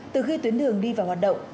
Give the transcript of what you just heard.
từ khi tuyến đường đi vào hoạt động